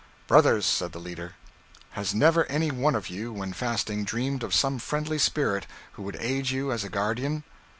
'Brothers,' said the leader, 'has never any one of you, when fasting, dreamed of some friendly spirit who would aid you as a guardian?'